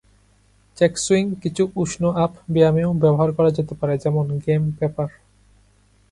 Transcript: Check swing কিছু উষ্ণ-আপ ব্যায়ামেও ব্যবহার করা যেতে পারে, যেমন গেম পেপার।